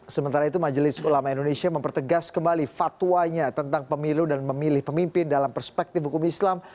sementara itu majelis ulama indonesia mempertegas kembali fatwanya tentang pemilu dan memilih pemimpin dalam perspektif hukum islam